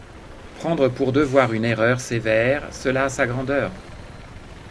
Prendre pour devoir une erreur sévère, cela a sa grandeur.